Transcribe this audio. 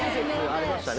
ありましたね。